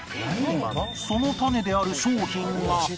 そのタネである商品が